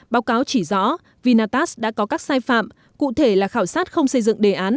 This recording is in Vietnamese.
báo cáo chỉ rõ vinatax đã có các sai phạm cụ thể là khảo sát không xây dựng đề án